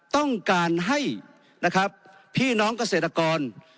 ต้องการให้นะครับพี่น้องเกษตรกร